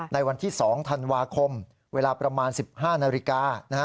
ในวันที่๒ธันวาคมเวลาประมาณ๑๕นาฬิกา